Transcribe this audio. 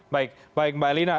baik baik mbak elina